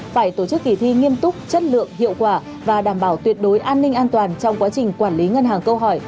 phải tổ chức kỳ thi nghiêm túc chất lượng hiệu quả và đảm bảo tuyệt đối an ninh an toàn trong quá trình quản lý ngân hàng câu hỏi